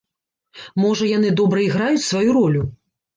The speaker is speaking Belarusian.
Можа, яны добра іграюць сваю ролю.